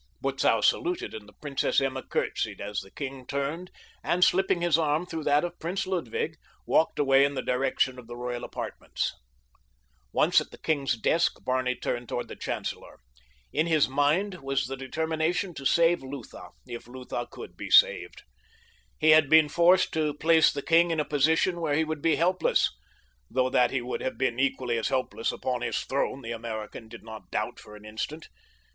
Butzow saluted and the Princess Emma curtsied, as the king turned and, slipping his arm through that of Prince Ludwig, walked away in the direction of the royal apartments. Once at the king's desk Barney turned toward the chancellor. In his mind was the determination to save Lutha if Lutha could be saved. He had been forced to place the king in a position where he would be helpless, though that he would have been equally as helpless upon his throne the American did not doubt for an instant.